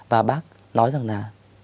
và bác nói rằng là